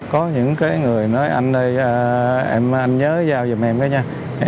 có những người nói anh ơi anh nhớ giao giùm em cái nha